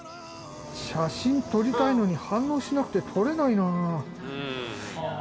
写真撮りたいのに反応しなくて撮れないな。